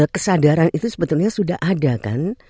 kesadaran itu sebetulnya sudah ada kan